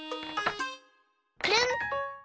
くるん。